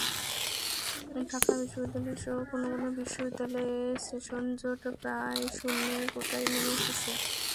ঢাকা বিশ্ববিদ্যালয়সহ কোনো কোনো বিশ্ববিদ্যালয়ে সেশনজট প্রায় শূন্যের কোটায় নেমে এসেছে।